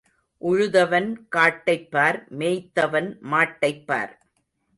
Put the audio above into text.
உழுதவன் காட்டைப் பார் மேய்த்தவன் மாட்டைப் பார்.